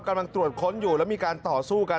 กำลังตรวจค้นอยู่แล้วมีการต่อสู้กัน